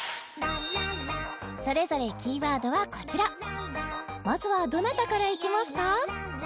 それぞれキーワードはこちらまずはどなたからいきますか？